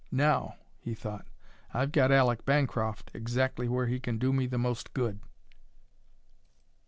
"Now," he thought, "I've got Aleck Bancroft exactly where he can do me the most good!"